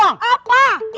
ini belum selesai